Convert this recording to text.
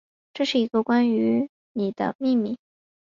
这是一个关于妳的秘密